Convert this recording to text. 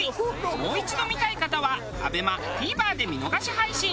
Ｖもう一度見たい方はＡＢＥＭＡＴＶｅｒで見逃し配信。